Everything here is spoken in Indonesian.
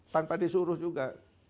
tanpa disuruh juga